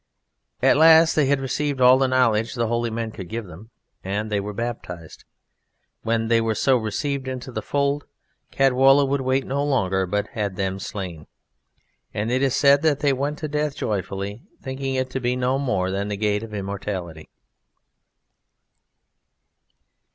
At last they had received all the knowledge the holy men could give them and they were baptized. When they were so received into the fold Caedwalla would wait no longer but had them slain. And it is said that they went to death joyfully, thinking it to be no more than the gate of immortality.